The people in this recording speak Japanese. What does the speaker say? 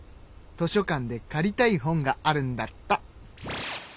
図書館で借りたい本があるんだった。